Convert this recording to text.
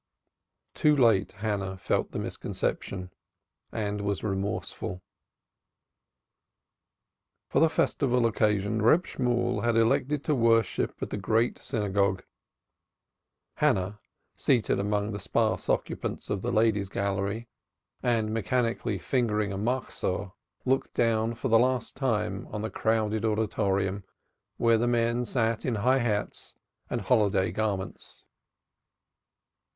Too late Hannah felt the misconception and was remorseful. For the festival occasion Reb Shemuel elected to worship at the Great Synagogue; Hannah, seated among the sparse occupants of the Ladies' Gallery and mechanically fingering a Machzor, looked down for the last time on the crowded auditorium where the men sat in high hats and holiday garments.